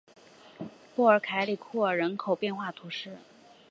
波尔凯里库尔人口变化图示